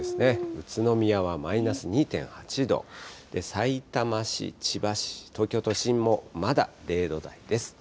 宇都宮はマイナス２．８度、さいたま市、千葉市、東京都心もまだ０度台です。